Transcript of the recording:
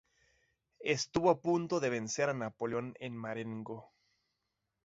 Estuvo a punto de vencer a Napoleón en Marengo.